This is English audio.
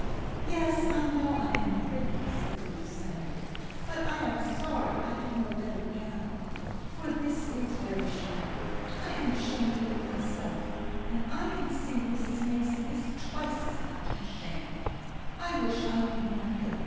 "Yes! I know I am pretty," said Ruth, sadly, "but I am sorry I have no better gown, for this is very shabby. I am ashamed of it myself, and I can see Mrs Mason is twice as much ashamed. I wish I need not go.